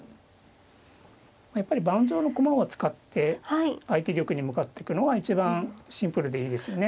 やっぱり盤上の駒を使って相手玉に向かってくのが一番シンプルでいいですよね。